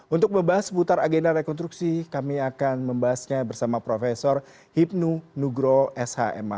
untuk membahas seputar agenda rekonstruksi kami akan membahasnya bersama prof hipnu nugro shma